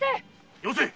よせ！